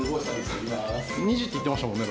２時って言ってましたもんね。